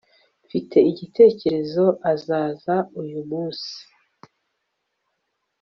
mfite igitekerezo azaza uyu munsi